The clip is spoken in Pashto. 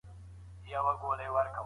هغه د نجلۍ له معاش څخه ناوړه ګټه نه اخلي.